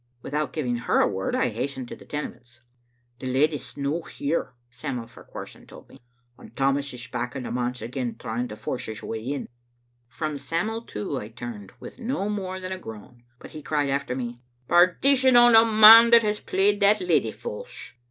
Without giving her a word I hastened to the Tene ments. "The leddy's no here," Sam'l Parquharson told me, and Tammas is back at the manse again, trying to force his way in." From Sam'l, too, I turned, with no more than a groan ; but he cried after me, " Perdition on the man that has played that leddy false."